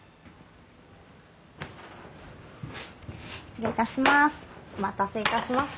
失礼いたします。